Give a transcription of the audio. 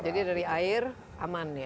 jadi dari air aman ya